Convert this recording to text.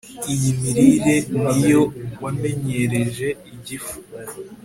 Iyi mirire ni yo wamenyereje igifu